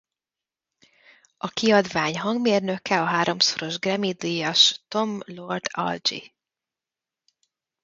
A kiadvány hangmérnöke a háromszoros Grammy-díjas Tom Lord-Alge.